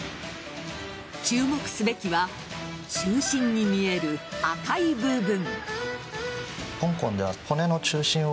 注目すべきは中心に見える赤い部分。